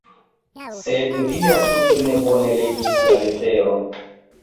Sed vi ja tute ne bone legis la leteron!